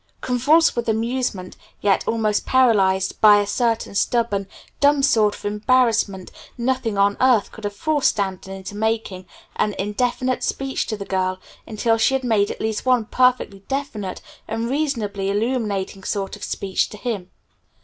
Convulsed with amusement, yet almost paralyzed by a certain stubborn, dumb sort of embarrassment, nothing on earth could have forced Stanton into making even an indefinite speech to the girl until she had made at least one perfectly definite and reasonably illuminating sort of speech to him.